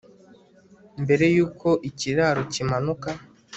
Mbere yuko ikiraro kimanuka